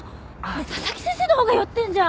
佐々木先生のほうが酔ってるじゃん！